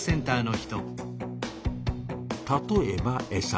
例えばエサ。